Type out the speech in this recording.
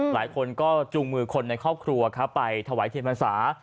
หลายคนก็จุงมือคนในครอบครัวทนไฟถอยเถียนฟันศา